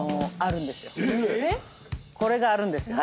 これがあるんですよ。